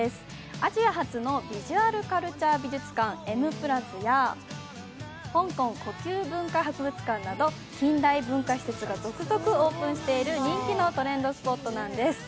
アジア初のビジュアルカルチャー美術館エムプラスや香港故宮文化博物館など近代文化施設が続々オープンしている人気のトレンドスポットなんです。